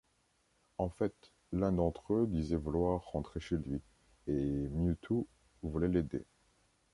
En fait, l'un d'entre eux disait vouloir rentrer chez lui, et Mewtwo voulait l'aider.